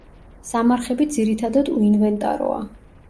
სამარხები ძირითადად უინვენტაროა.